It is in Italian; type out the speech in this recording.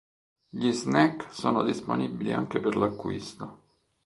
Gli snack sono disponibili anche per l'acquisto.